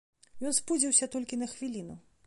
Ён спудзіўся толькі на хвіліну.